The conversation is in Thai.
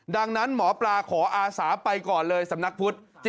ดังนั้นหมอปลาขออาสาไปก่อนเลยสำนักพุทธ